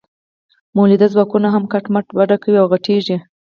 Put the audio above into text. مؤلده ځواکونه هم کټ مټ وده کوي او غټیږي.